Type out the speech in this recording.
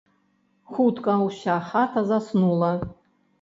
Хутка ўся хата заснула.